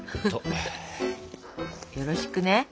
よろしくね。